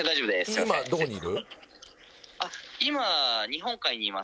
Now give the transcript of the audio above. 今どこにいる？